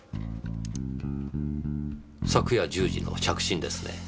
昨夜１０時の着信ですね。